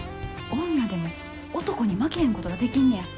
女でも男に負けへんことができんねや。